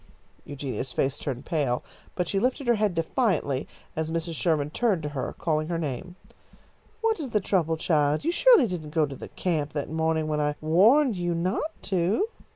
Eugenia's face turned pale, but she lifted her head defiantly as Mrs. Sherman turned to her, calling her name. "What is the trouble, child? You surely didn't go to the camp that morning when I warned you not to?"